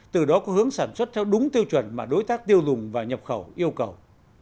từ đó có hướng sản xuất theo đúng tiêu chuẩn mà đối tác tiêu dùng và nhập khẩu yêu cầu